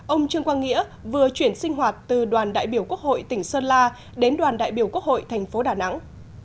ông trương quang nghĩa vừa chuyển sinh hoạt từ đoàn đại biểu quốc hội tỉnh sơn la đến đoàn đại biểu quốc hội thành phố đà nẵng